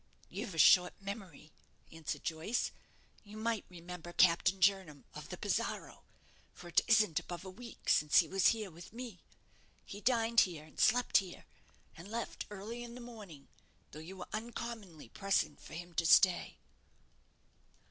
"You've a short memory," answered Joyce; "you might remember Captain Jernam of the 'Pizarro'; for it isn't above a week since he was here with me. He dined here, and slept here, and left early in the morning, though you were uncommonly pressing for him to stay."